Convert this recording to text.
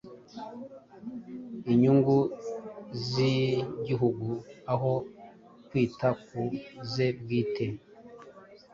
inyungu z’igihugu aho kwita ku ze bwite